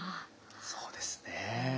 そうですね。